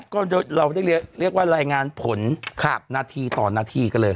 ก็เราได้เรียกว่ารายงานผลนาทีต่อนาทีกันเลย